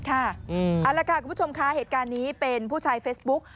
เอาละค่ะคุณผู้ชมคะเหตุการณ์นี้เป็นผู้ชายเฟซบุ๊ก